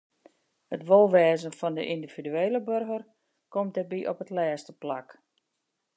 It wolwêzen fan de yndividuele boarger komt dêrby op it lêste plak.